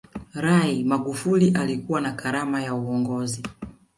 rai magufuli alikuwa na karama ya uongozi